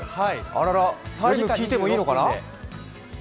あらら、タイムを聞いてもいいのかな？